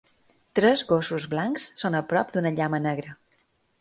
Tres gossos blancs són a prop d'una llama negra.